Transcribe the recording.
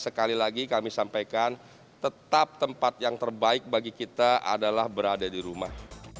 sekali lagi kami sampaikan tetap tempat yang terbaik bagi kita adalah berada di rumah